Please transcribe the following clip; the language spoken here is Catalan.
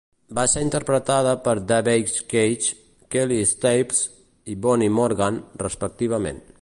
Va ser interpretada per Daveigh Chase, Kelly Stables i Bonnie Morgan, respectivament.